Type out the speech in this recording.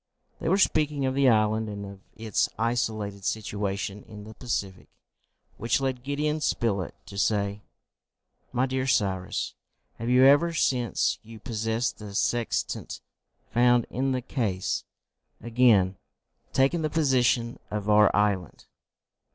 They were speaking of the island and of its isolated situation in the Pacific, which led Gideon Spilett to say, "My dear Cyrus, have you ever, since you possessed the sextant found in the case, again taken the position of our island?"